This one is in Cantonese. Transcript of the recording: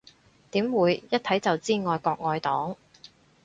點會，一睇就知愛國愛黨